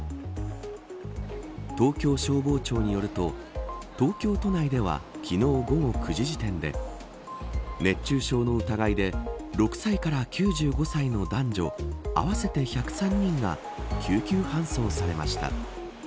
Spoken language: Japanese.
東京消防庁によると東京都内では昨日午後９時時点で熱中症の疑いで６歳から９５歳の男女合わせて１０３人が救急搬送されました。